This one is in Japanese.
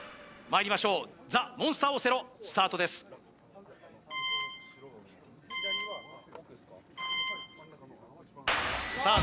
まいりましょうザ・モンスターオセロスタートですさあ